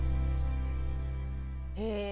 へえ！